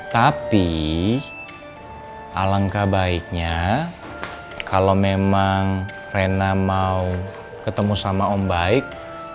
tapi alangkah baiknya kalau memang rena mau ketemu sama om baik